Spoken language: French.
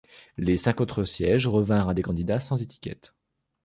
Les cinq autres sièges revinrent à des candidats sans étiquette.